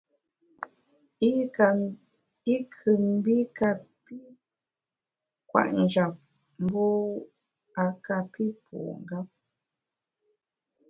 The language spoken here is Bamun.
I nkù mbi kapi kwet njap, mbu a kapi pu ngap.